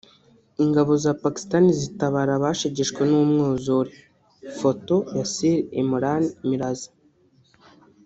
Ingabo za Pakistan zitabara abashegeshejwe n'umwuzure (foto Yasir Imran Mirza)